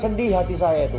sedih hati saya itu